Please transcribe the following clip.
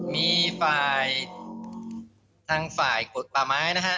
มีฝ่ายทางฝ่ายกฎป่าไม้นะฮะ